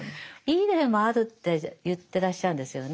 いい例もあるって言ってらっしゃるんですよね。